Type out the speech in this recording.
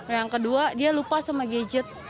yang kedua dia lupa sama gadget